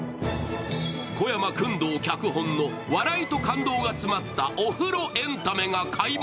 小山薫堂脚本の笑いと感動が詰まったお風呂エンタメが開幕！